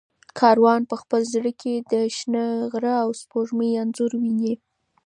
کاروان په خپل زړه کې د شنه غره او سپوږمۍ انځور ویني.